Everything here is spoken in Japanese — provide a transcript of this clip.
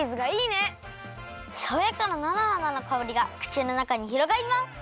さわやかななのはなのかおりがくちのなかにひろがります！